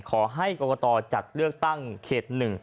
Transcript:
ขอให้กรกตจัดเลือกตั้งเขต๑